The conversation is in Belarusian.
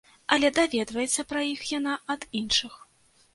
Але даведваецца пра іх яна ад іншых.